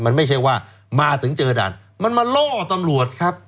มันไม่ใช่ว่ามาถึงเจอด่านมันมาล่อตำรวจครับ